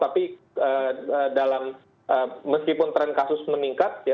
tapi dalam meskipun tren kasus meningkat